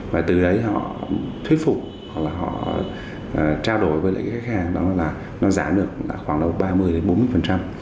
và từ đấy họ thuyết phục họ trao đổi với các khách hàng là nó giảm được khoảng đầu ba mươi đến bốn mươi